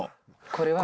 これは。